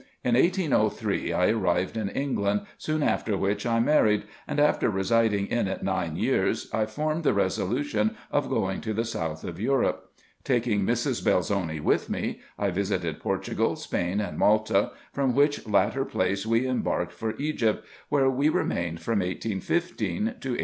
In 1 803 I arrived in England, soon after which I married, and, after residing in it nine years, I formed the resolution of going to the south of Europe. Taking Mrs. Belzoni with me, I visited Portugal, Spain, and Malta, from which latter place we embarked for Egypt, where we remained from 1815 to 1819.